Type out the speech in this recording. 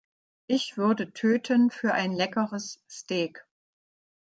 Ich würde töten für ein leckeres Steak!